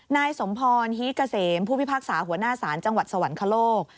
นายสมพรฮีกเกษมผู้พิพากษาหัวหน้าศาลจังหวัดสวรรคโลก